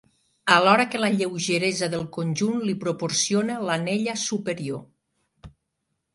Alhora que la lleugeresa del conjunt li proporciona l'anella superior.